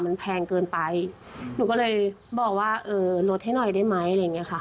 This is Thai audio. มันแพงเกินไปหนูก็เลยบอกว่าเออลดให้หน่อยได้ไหมอะไรอย่างเงี้ยค่ะ